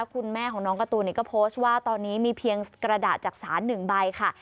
คุณแม่ของน้องการ์ตูนก็โพสต์ว่าตอนนี้มีเพียงกระดาษจักษาน๑ใบค่ะ